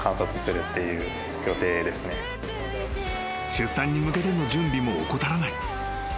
［出産に向けての準備も怠らない］